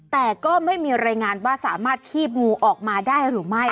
แต่ก็ไม่มีรายงานว่าสามารถคีบงูออกมาได้หรือไม่